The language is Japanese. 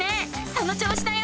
その調子だよ！